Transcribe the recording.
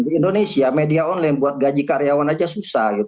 di indonesia media online buat gaji karyawan aja susah